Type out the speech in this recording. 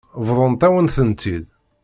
Bḍant-awen-tent-id.